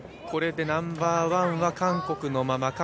これでナンバーワンは韓国のまま。